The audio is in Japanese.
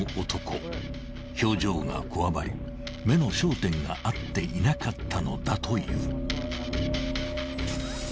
［表情がこわばり目の焦点が合っていなかったのだという］